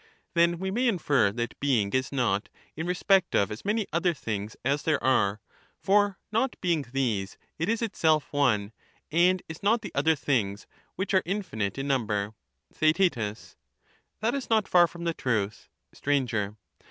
Then we may infer that being is not, in respect of as For being many other things as there are; for not being these it is j^Jjo^jii * itself one, and is not the other things, which are infinite in other number. ^«* Theaet. That is not far from the truth. Str.